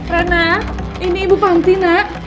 rena ini ibu panti nak